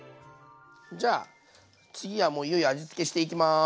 じゃ次はもういよいよ味付けしていきます。